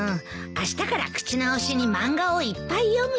あしたから口直しに漫画をいっぱい読むよ。